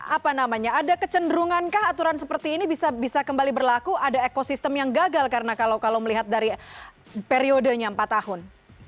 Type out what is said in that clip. apa namanya ada kecenderungankah aturan seperti ini bisa kembali berlaku ada ekosistem yang gagal karena kalau melihat dari periodenya empat tahun